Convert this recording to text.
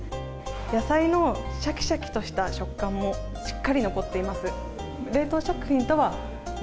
野菜のしゃきしゃきとした食感もしっかり残っています。